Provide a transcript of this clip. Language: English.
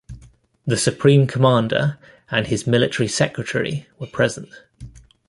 The Supreme Commander and his Military Secretary were present.